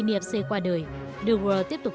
nfc qua đời de waal tiếp tục